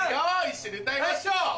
一緒に歌いましょう！